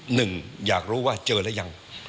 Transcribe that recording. หนึ่งอยากรู้ว่าเจอหรือยัง